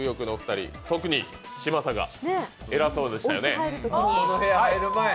特に嶋佐がえらそうでしたよね。